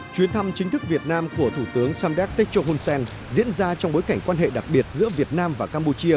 chuyến thăm chính thức việt nam của thủ tướng samdech techo hun sen diễn ra trong bối cảnh quan hệ đặc biệt giữa việt nam và campuchia